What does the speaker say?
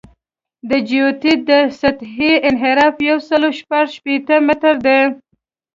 د جیوئید د سطحې انحراف یو سل شپږ شپېته متره دی